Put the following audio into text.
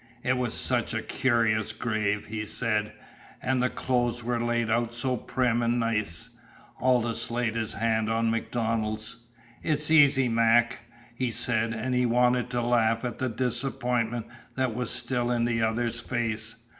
"It was such a cur'ous grave," he said. "An' the clothes were laid out so prim an' nice." Aldous laid his hand on MacDonald's. "It's easy, Mac," he said, and he wanted to laugh at the disappointment that was still in the other's face.